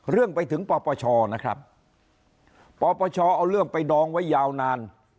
เรื่องไปถึงปปชนะครับปปชเอาเรื่องไปดองไว้ยาวนาน